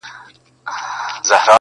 چي یې منع کړي له غلا بلا وهلی -